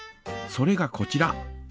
それがこちら。